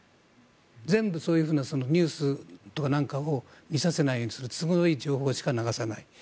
全部ニュースとかなんかを見させないようにする都合のいい情報しか流さない。